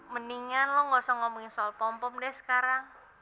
mendingan lo gak usah ngomongin soal pom pom deh sekarang